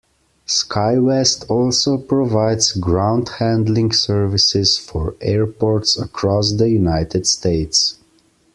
SkyWest also provides ground handling services for airports across the United States.